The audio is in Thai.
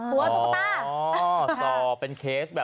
หัวจุกต้าอ๋อสอบเป็นเคสแบบ